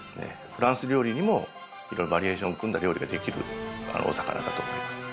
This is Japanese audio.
フランス料理にも色々バリエーションを組んだ料理ができるお魚だと思います。